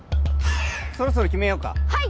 そろそろ決めようかはい！